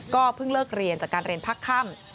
เพิ่งเลิกเรียนจากการเรียนพักค่ำ